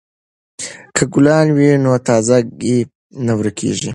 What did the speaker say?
که ګلان وي نو تازه ګي نه ورکیږي.